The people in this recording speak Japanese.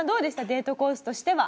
デートコースとしては。